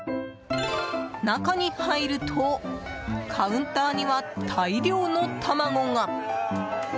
中に入るとカウンターには、大量の卵が。